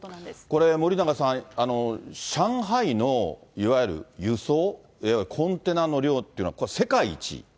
これ、森永さん、上海のいわゆる輸送、いわゆるコンテナの量っていうのはこれ、世界一？